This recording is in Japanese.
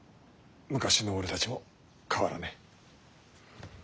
昔の俺たちも変わらねぇ。